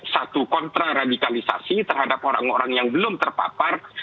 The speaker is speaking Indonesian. satu kontra radikalisasi terhadap orang orang yang belum terpapar